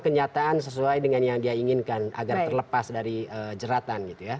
kenyataan sesuai dengan yang dia inginkan agar terlepas dari jeratan gitu ya